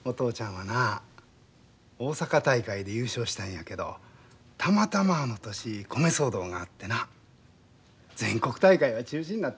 はな大阪大会で優勝したんやけどたまたまあの年米騒動があってな全国大会は中止になったんや。